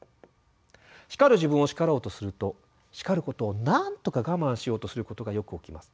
叱る自分を叱ろうとすると叱ることをなんとか我慢しようとすることがよく起きます。